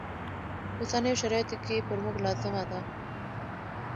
په اوسنیو شرایطو کې پر موږ لازمه ده.